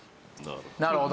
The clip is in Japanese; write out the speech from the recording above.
なるほど。